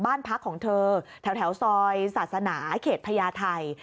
บ้านพักของเธอแถวซอยศาสนาเขตพญาไทย